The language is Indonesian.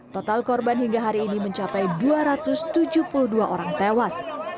total korban hingga hari ini mencapai dua ratus tujuh puluh dua orang tewas